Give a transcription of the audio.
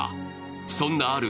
そんなある日